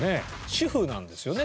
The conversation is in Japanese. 主婦なんですよね？